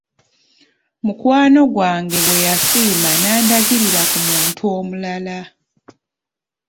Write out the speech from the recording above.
Mukwano gwange bwe yasiima n’andagirira ku muntu omulala.